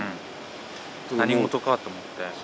何事かと思って。